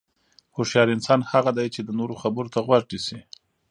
هوښیار انسان هغه دی چې د نورو خبرو ته غوږ نیسي.